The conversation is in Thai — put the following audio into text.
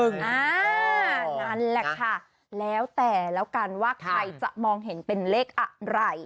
นั่นแหละค่ะแล้วแต่แล้วกันว่าใครจะมองเห็นเป็นเลขอะไร